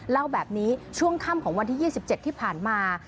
เล่าแบบนี้ช่วงค่ำของวันที่๒๗ที่ผ่านมา